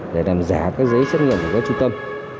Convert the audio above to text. để làm giả các giấy xét nghiệm của các trung tâm